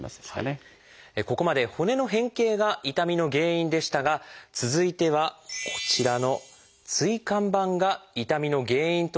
ここまで骨の変形が痛みの原因でしたが続いてはこちらの椎間板が痛みの原因となるケースです。